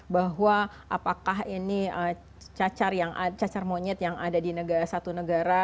bahwa apakah ini cacar monyet yang ada di satu negara